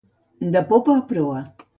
De popa a proa.